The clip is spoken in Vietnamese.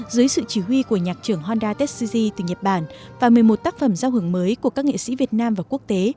dưới sự chỉ huy của nhạc trưởng honda tetsuji từ nhật bản và một mươi một tác phẩm giao hưởng mới của các nghệ sĩ việt nam và quốc tế